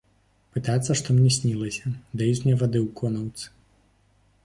Пытаюцца, што мне снілася, даюць мне вады ў конаўцы.